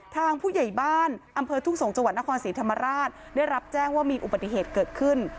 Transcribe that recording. ทางผู้ใหญ่บ้านอำเภอทุ่งสงศ์จังหวัดนครศรีธรรมราชได้รับแจ้งว่ามีอุบัติเหตุเกิดขึ้น